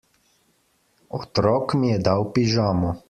Otrok mi je dal pižamo.